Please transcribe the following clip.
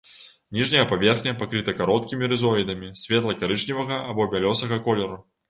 Ніжняя паверхня пакрыта кароткімі рызоідамі, светла-карычневага або бялёсага колеру.